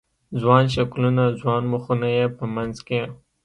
ځوان شکلونه، ځوان مخونه یې په منځ کې